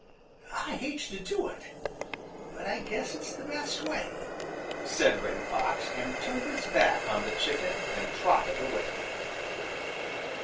"I hate to do it, but I guess it's the best way," said Reddy Fox and turned his back on the chicken and trotted away.